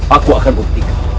aku akan membuktikan